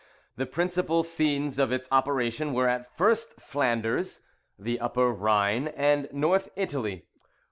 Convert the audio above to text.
The principal scenes of its operation were, at first, Flanders, the Upper Rhine, and North Italy.